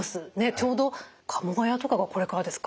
ちょうどカモガヤとかがこれからですか？